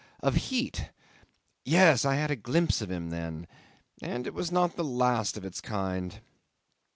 of heat! ... Yes; I had a glimpse of him then ... and it was not the last of that kind.